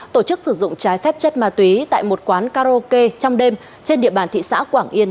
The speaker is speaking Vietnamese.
tổ chức sử dụng trái phép chất ma túy tại một quán karaoke trong đêm trên địa bàn thị xã quảng yên